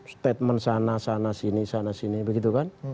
statement sana sana sini sana sini begitu kan